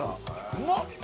うまっ！